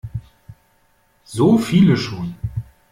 So viele schon?